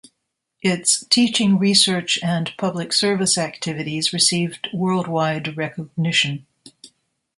Its teaching, research, and public service activities received worldwide recognition.